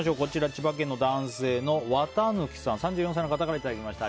千葉県の男性、３４歳の方からいただきました。